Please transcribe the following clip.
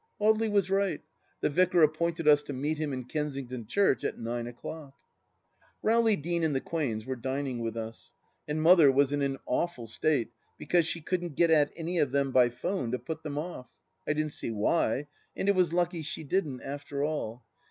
Audely was right. The Vicar appointed us to meet him in Kensington Church at nine o'clock. Rowley Deane and the Quains were dining with us, and Mother was in an awful state because she couldn't get at any of them by 'phone to put them off. I didn't see why, and it was lucky she didn't, after all.